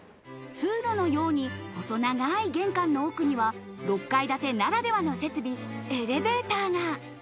通路のように細長い玄関の奥には、６階建てならではの設備、エレベーターが。